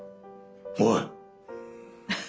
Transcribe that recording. おい。